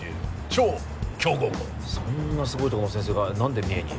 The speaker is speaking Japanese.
超強豪校そんなすごいとこの先生が何で三重に？